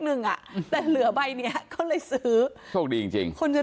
หนึ่งอ่ะแต่เหลือใบเนี้ยก็เลยซื้อโชคดีจริงจริงคนจะ